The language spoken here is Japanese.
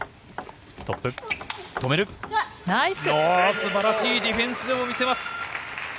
素晴らしいディフェンスを見せます。